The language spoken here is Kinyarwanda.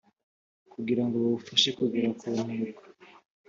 kugira ngo bawufashe kugera ku ntego